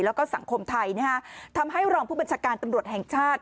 แล้วก็สังคมไทยนะฮะทำให้รองผู้บัญชาการตำรวจแห่งชาติ